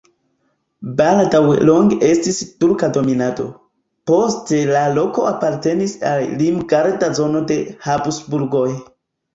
Baldaŭe longe estis turka dominado, poste la loko apartenis al limgarda zono de Habsburgoj.